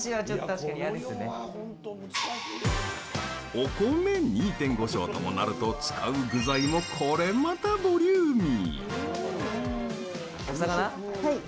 お米２．５升ともなると使う具材もこれまたボリューミー。